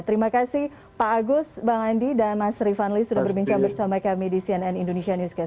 terima kasih pak agus bang andi dan mas rifanli sudah berbincang bersama kami di cnn indonesia newscast